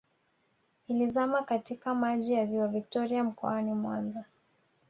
Ilizama katika Maji ya Ziwa Victoria mkoani Mwanza